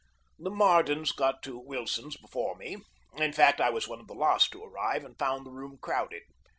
The Mardens got to Wilson's before me. In fact, I was one of the last to arrive and found the room crowded.